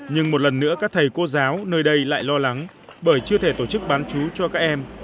nhưng một lần nữa các thầy cô giáo nơi đây lại lo lắng bởi chưa thể tổ chức bán chú cho các em